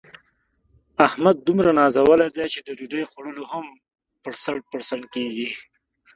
احمد دومره نازولی دی، چې د ډوډۍ په خوړلو هم پړسپن پړسپن کېږي.